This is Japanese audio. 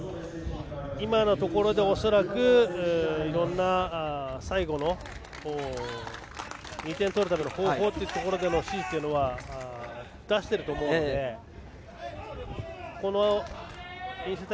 今のところで恐らく最後の２点取るための方法というところでの指示というのは出していると思うので。